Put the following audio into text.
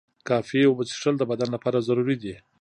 کافی اوبه څښل د بدن لپاره ضروري دي.